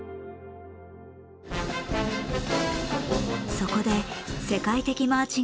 そこで世界的マーチング